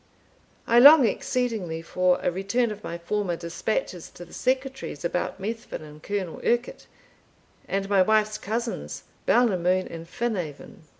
"I long exceedingly for a return of my former dispatches to the Secretary's about Methven and Colll Urquhart, and my wife's cousins, Balnamoon and Phinaven.